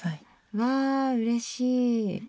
わあうれしい！